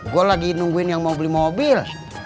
gue lagi nungguin yang mau beli mobil